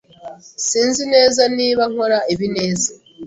Sinzi neza niba nkora ibi neza.